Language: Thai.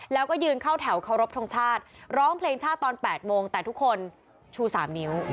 แล้วก็ยืนเข้าแถวเคารพทงชาติร้องเพลงชาติตอน๘โมงแต่ทุกคนชู๓นิ้ว